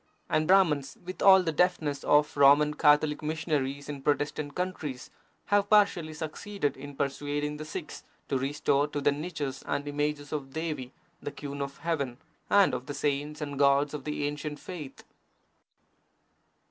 And Brahmans, with all the deftness of Roman Catholic missionaries in Protestant countries, have partially succeeded in persuading the Sikhs to restore to their niches the images of Devi, the Queen of Heaven, and of the saints and gods of the ancient faith.